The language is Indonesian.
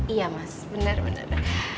iya mas bener bener